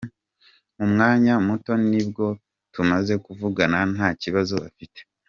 Mu mwanya muto nibwo tumaze kuvugana ,ntakibazo afite.